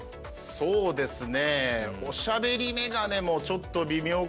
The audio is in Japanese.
そうですね